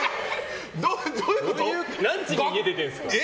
何時に家出てるんですか？